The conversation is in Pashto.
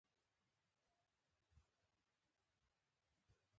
نفت د افغانستان د دوامداره پرمختګ لپاره اړین دي.